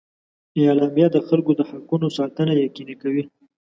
اعلامیه د خلکو د حقونو ساتنه یقیني کوي.